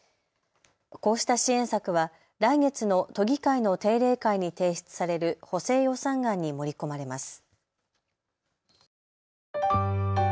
こうした支援策は来月の都議会の定例会に提出される補正予算案に盛り込まれます。